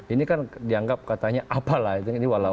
ini kan dianggap katanya apalah itu